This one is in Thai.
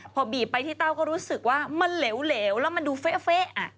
พอบีบไปที่เต้าก็รู้สึกว่ามันเหลวแล้วมันดูเฟ๊ะ